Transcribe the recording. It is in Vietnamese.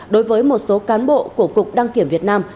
đối với một số cán bộ của cục đăng kiểm việt nam